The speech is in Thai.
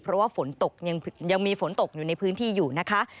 เพราะว่าฝนตกยังมีฝนตกอยู่ในพื้นที่อยู่นะคะ